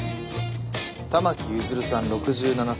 玉木譲さん６７歳。